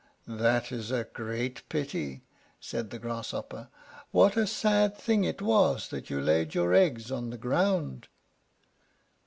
"That is a great pity," said the Grasshopper. "What a sad thing it was that you laid your eggs on the ground!"